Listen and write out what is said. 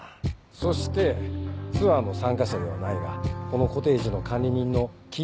そしてツアーの参加者ではないがこのコテージの管理人の霧